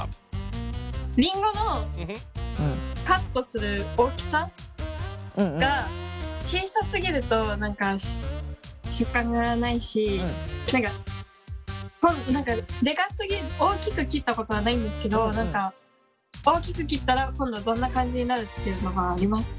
りんごのカットする大きさが小さすぎると食感がないしでかすぎ大きく切ったことはないんですけど何か大きく切ったら今度はどんな感じになるっていうのはありますか？